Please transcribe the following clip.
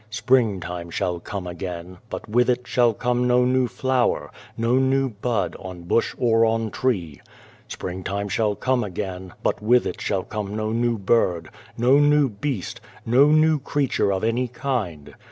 " Spring time shall come again, but with it shall come no new flower, no new bud on bush or on tree. " Spring time shall come again, but with it shall come no new bird, no new beast, no new creature of any kind.